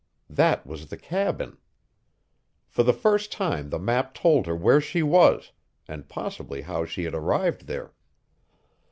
THAT was the cabin. For the first time the map told her where she was, and possibly how she had arrived there.